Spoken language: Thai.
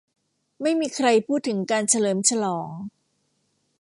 ไม่มีใครพูดถึงการเฉลิมฉลอง